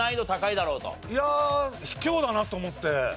いやあ卑怯だなと思って。